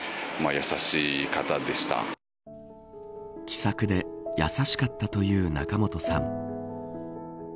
気さくで優しかったという仲本さん。